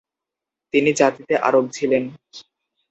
তিনি জাতিতে আরব ছিলেন।